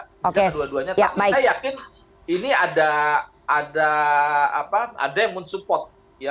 tapi saya yakin ini ada yang men support